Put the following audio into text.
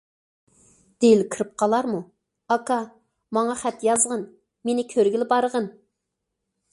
دىل كىرىپ قالارمۇ؟« ئاكا، ماڭا خەت يازغىن، مېنى كۆرگىلى بارغىن».